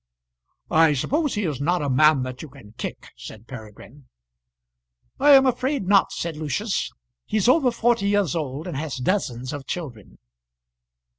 "I suppose he is not a man that you can kick," said Peregrine. "I am afraid not," said Lucius; "he's over forty years old, and has dozens of children."